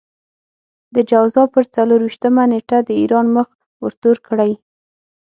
د جوزا پر څلور وېشتمه نېټه د ايران مخ ورتور کړئ.